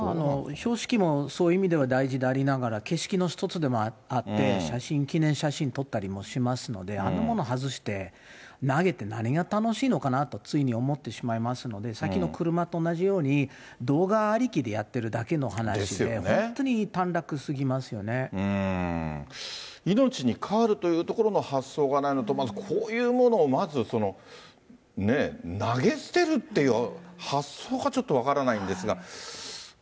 標識も、そういう意味では大事でありながら、景色の一つでもあって、写真、記念写真撮ったりもしますので、ああいうもの外して、投げて何が楽しいのかなと、思ってしまいますので、さっきの車と同じように、動画ありきでやってるだけの話で、命に関わるというところの発想がないのと、まず、こういうものをまず、投げ捨てるっていう発想がちょっと分からないんですが。